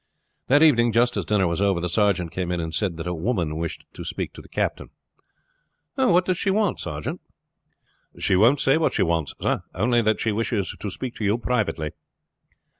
That evening, just as dinner was over, the sergeant came in and said that a woman wished to speak to the captain. "What does she want, sergeant?" "She won't say what she wants, sir; only that she wishes to speak to you privately."